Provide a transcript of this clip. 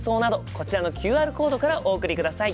こちらのＱＲコードからお送りください。